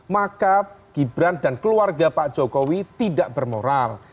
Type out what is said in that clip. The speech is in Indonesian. maka gibran dan keluarga pak jokowi tidak bermoral